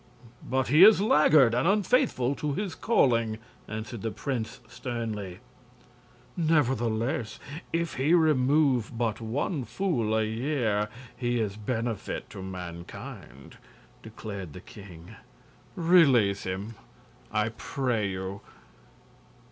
"But he is laggard and unfaithful to his calling!" answered the prince, sternly. "Nevertheless, if he remove but one fool a year he is a benefit to mankind," declared the king. "Release him, I pray you!"